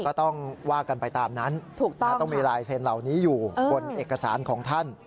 ก็ต้องว่ากันไปตามนั้นต้องมีลายเซ็นต์เหล่านี้อยู่บนเอกสารของท่าน